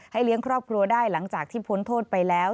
เลี้ยงครอบครัวได้หลังจากที่พ้นโทษไปแล้ว